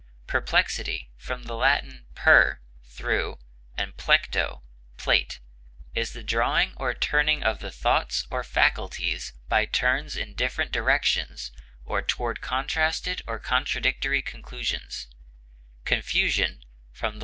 Perplexity (L. per, through, and plecto, plait) is the drawing or turning of the thoughts or faculties by turns in different directions or toward contrasted or contradictory conclusions; confusion (L.